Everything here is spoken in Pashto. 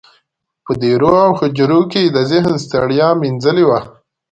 په دېرو او هوجرو کې یې د ذهن ستړیا مینځلې وه.